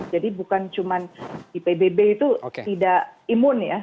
jadi bukan cuma di pbb itu tidak imun ya